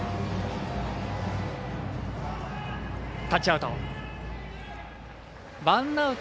タッチアウト。